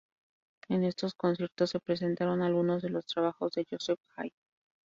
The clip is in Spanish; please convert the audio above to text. En estos conciertos se presentaron algunos de los trabajos de Joseph Haydn.